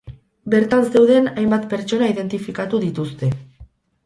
Bertan zeuden hainbat pertsona identifikatu dituzte.